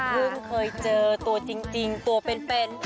เคยเจอตัวจริงตัวเป็น